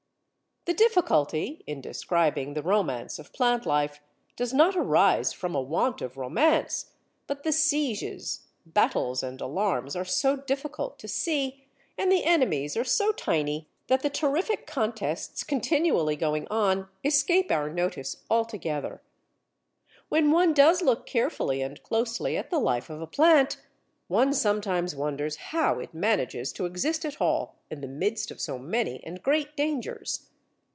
The difficulty in describing the Romance of Plant Life does not arise from a want of romance, but the sieges, battles, and alarms are so difficult to see, and the enemies are so tiny, that the terrific contests continually going on escape our notice altogether. When one does look carefully and closely at the life of a plant, one sometimes wonders how it manages to exist at all in the midst of so many and great dangers.